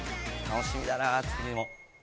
楽しみだなぁ、次も。